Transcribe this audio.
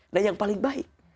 nah yang paling baik